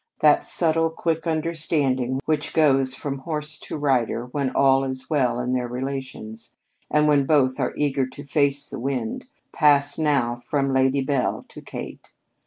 That subtle, quick understanding which goes from horse to rider, when all is well in their relations, and when both are eager to face the wind, passed now from Lady Bel to Kate.